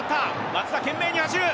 松田懸命に走る！